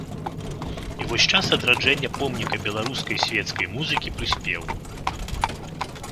І вось час адраджэння помніка беларускай свецкай музыкі прыспеў.